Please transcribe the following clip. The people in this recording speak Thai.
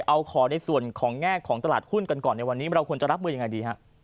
เอาขอในส่วนของแง่ของตลาดหุ้นกันก่อนในวันนี้เราควรจะรับมือยังไงดีฮะ